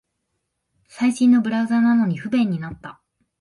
最新のブラウザなのに不便になった